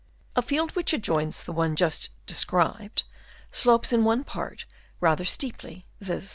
145 A field, which adjoins the one just de scribed, slopes in one part rather steeply (viz.